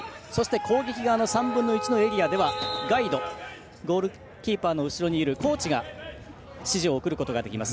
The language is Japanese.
攻撃側の３分の１のエリアではガイド、ゴールキーパーの後ろにいるコーチが指示を送ることができます。